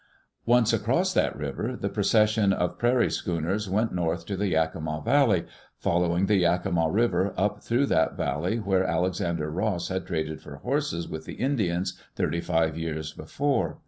Once across that river, the procession of prairie schooners went north to the Yakima Valley, following the Yakima River up through that valley where Alexander Ross had traded for horses with the Indians thirty five years before.